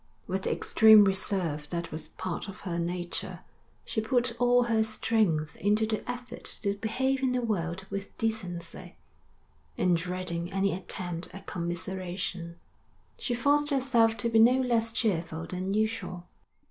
With the extreme reserve that was part of her nature, she put all her strength into the effort to behave in the world with decency; and dreading any attempt at commiseration, she forced herself to be no less cheerful than usual.